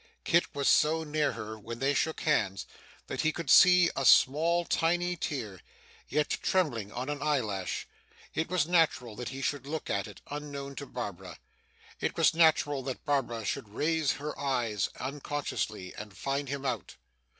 Kit was so near her when they shook hands, that he could see a small tiny tear, yet trembling on an eyelash. It was natural that he should look at it, unknown to Barbara. It was natural that Barbara should raise her eyes unconsciously, and find him out.